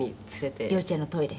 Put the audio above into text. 「幼稚園のトイレ？」